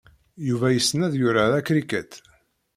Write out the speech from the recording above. Yuba yessen ad yurar acricket.